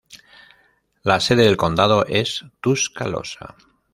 La sede del condado es Tuscaloosa.